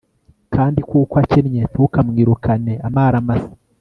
kandi kuko akennye, ntukamwirukane amara masa